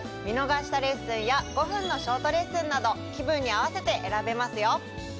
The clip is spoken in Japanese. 見逃したレッスンや５分のショートレッスンなど気分に合わせて選べますよ。